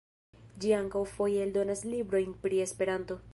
Ĝi ankaŭ foje eldonas librojn pri Esperanto.